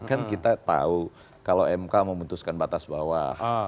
kan kita tahu kalau mk memutuskan batas bawah